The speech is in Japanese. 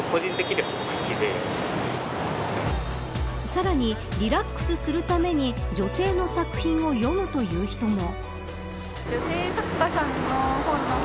さらにリラックスするために女性の作品を読むという人も。